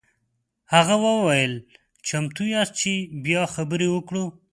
هغه وویل چمتو یاست چې بیا خبرې وکړو.